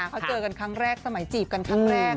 เขาเจอกันครั้งแรกสมัยจีบกันครั้งแรก